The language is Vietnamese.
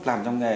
làm trong nghề